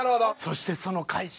「そしてその返し」。